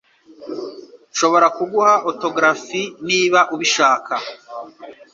Nshobora kuguha autografi niba ubishaka.